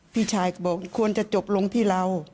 พี่ชายก็บอกควรจะจบลงที่เรา